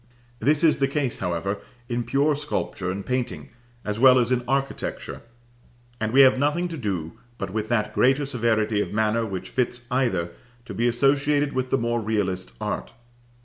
This is the case, however, in pure sculpture and painting, as well as in architecture; and we have nothing to do but with that greater severity of manner which fits either to be associated with the more realist art.